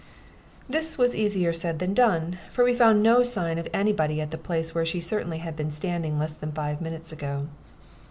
This was easier said than done, for we found no sign of any body at the place where she certainly had been standing less than five minutes ago.